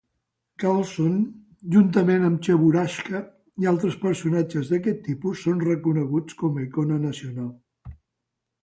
Karlsson, juntament amb Cheburashka i altres personatges d'aquest tipus, són reconeguts com a icona nacional.